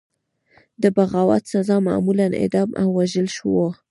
د بغاوت سزا معمولا اعدام او وژل وو.